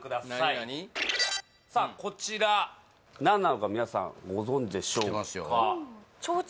さあこちら何なのか皆さんご存じでしょうか？